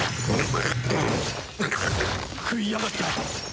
食いやがった！